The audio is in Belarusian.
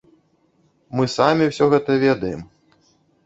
Мы самі ўсё гэта ведаем.